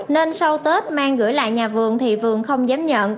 nên sau tết mang gửi lại nhà vườn thì vườn không dám nhận